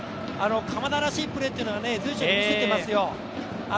鎌田らしいプレー、随所に見せていますよ。